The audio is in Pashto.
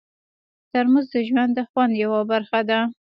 ترموز د ژوند د خوند یوه برخه ده.